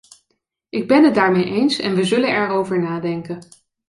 Ik ben het daarmee eens en we zullen daarover nadenken.